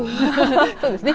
そうですね